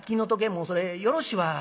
もうそれよろしいわ。